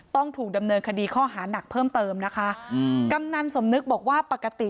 ต้องถูกดำเนินคดีข้อหานักเพิ่มเติมนะคะอืมกำนันสมนึกบอกว่าปกติ